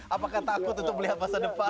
apakah takut untuk melihat masa depan